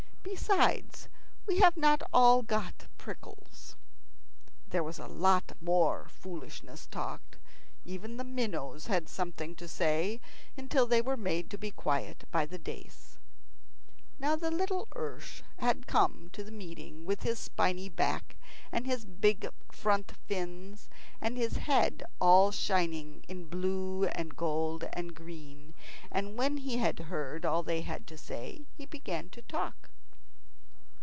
Besides, we have not all got prickles." There was a lot more foolishness talked. Even the minnows had something to say, until they were made to be quiet by the dace. Now the little ersh had come to the meeting, with his spiny back, and his big front fins, and his head all shining in blue and gold and green. And when he had heard all they had to say, he began to talk.